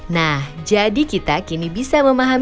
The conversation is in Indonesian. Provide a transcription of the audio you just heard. nah jadi kita kini bisa memahami